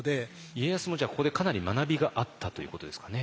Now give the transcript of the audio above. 家康もじゃあここでかなり学びがあったということですかね。